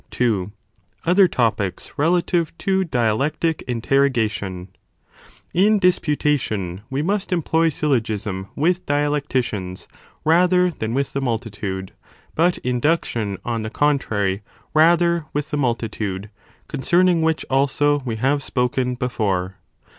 —Other Topics relative to Dialectic Interrogation. In disputation we must employ syllogism with 1 of the em dialecticians, rather than with the multitude, but ployment of in °°° uction in dis induction, on the contrary, rather with the mul putation. titude, concerning which also we have spoken before.